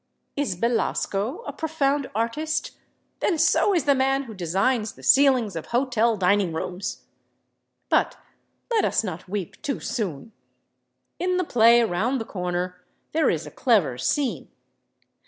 Is Belasco a profound artist? Then so is the man who designs the ceilings of hotel dining rooms! But let us not weep too soon. In the play around the corner there is a clever scene.